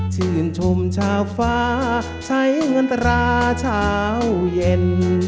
ชื่นชมชาวฟ้าใช้เงินตราเช้าเย็น